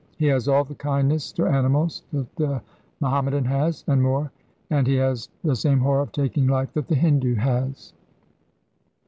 He has all the kindness to animals that the Mahommedan has, and more, and he has the same horror of taking life that the Hindu has.